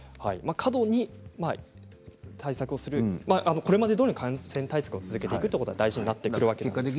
これまでどおりの感染対策を続けていくことが大事になってくるわけですね。